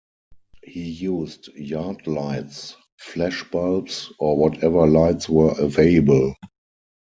He used yard lights, flashbulbs or whatever lights were available.